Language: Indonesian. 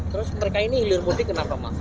terus mereka ini hilir putih kenapa mas